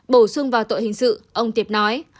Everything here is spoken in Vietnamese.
bổ sung vào tội hình sự ông tiệp nói